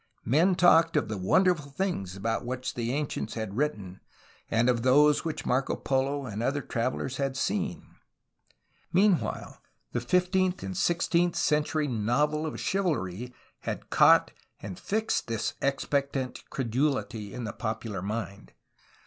Men talked of the wonderful things about which the an CORTES AND CALIFORNIA 47 cients had written and of those which Marco Polo and other travelers had seen. Meanwhile the fifteenth and sixteenth century novel of chivalry had caught and fixed this expec tant credulity in the popular mind.